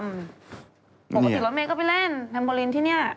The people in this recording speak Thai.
ปกติรถเมย์ก็ไปเล่นแฮมโบลินที่นี่